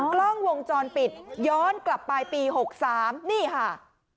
กล้องวงจรปิดย้อนกลับไปปี๖๓นี่ค่ะ